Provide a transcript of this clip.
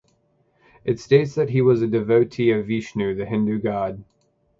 It states that he was a devotee of Vishnu, the Hindu god.